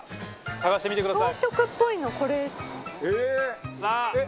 探してみてください。